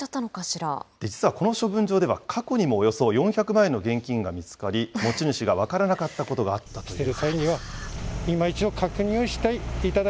実はこの処分場では、過去にもおよそ４００万円の現金が見つかり、持ち主が分からなかったことがあったということです。